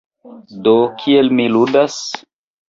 Do, kiel mi ludas?